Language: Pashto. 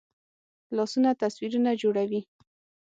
لاسونه تصویرونه جوړوي